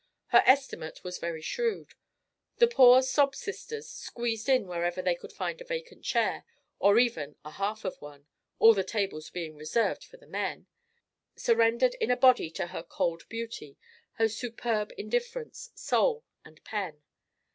Her estimate was very shrewd. The poor sob sisters, squeezed in wherever they could find a vacant chair, or even a half of one (all the tables being reserved for the men), surrendered in a body to her cold beauty, her superb indifference, soul and pen.